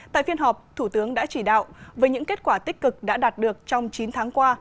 tại phiên họp thủ tướng đã chỉ đạo với những kết quả tích cực đã đạt được trong chín tháng qua